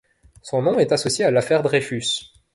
Son nom est associé à l'affaire Dreyfus.